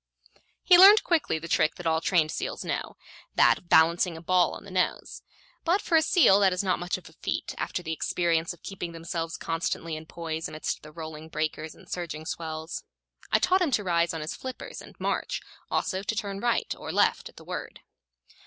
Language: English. He learned quickly the trick that all trained seals know that of balancing a ball on the nose. But for a seal that is not much of a feat after the experience of keeping themselves constantly in poise amidst the rolling breakers and surging swells. I taught him to rise on his flippers and march, also to turn to right or left at the word.